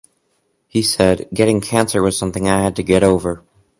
He said: Getting cancer was something I had to get over.